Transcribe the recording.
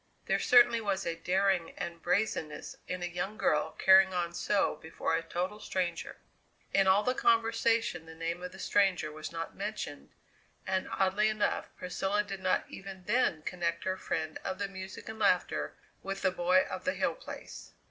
There certainly was a daring and brazenness in a young girl carrying on so before a total stranger. In all the conversation the name of the stranger was not mentioned, and oddly enough Priscilla did not even then connect her friend of the music and laughter with the boy of the Hill Place.